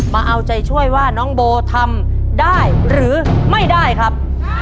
มาเอาใจช่วยว่าน้องโบทำได้หรือไม่ได้ครับ